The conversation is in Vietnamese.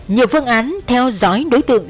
nhiều phương án theo dõi đối tượng